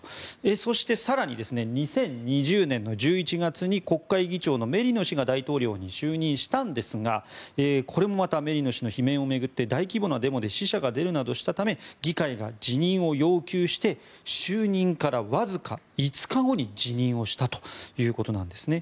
そして、更に２０２０年１１月に国会議長のメリノ元大統領が大統領に就任したんですがこれもまたメリノ氏の罷免を巡って大規模なデモで死者が出るなどしたため議会が辞任を要求して就任からわずか５日後に辞任をしたということなんですね。